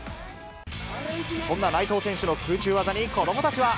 そんな内藤選手の空中技に、子どもたちは。